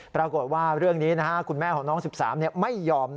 ปรากฏว่าเรื่องนี้คุณแม่ของน้อง๑๓ไม่ยอม